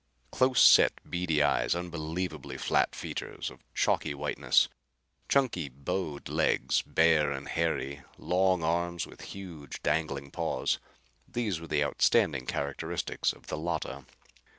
Close set, beady eyes; unbelievably flat features of chalky whiteness; chunky bowed legs, bare and hairy; long arms with huge dangling paws these were the outstanding characteristics of the Llotta.